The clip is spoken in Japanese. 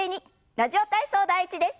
「ラジオ体操第１」です。